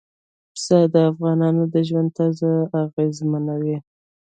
پسه د افغانانو د ژوند طرز اغېزمنوي.